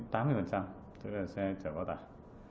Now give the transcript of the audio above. tức là xe chở quá tải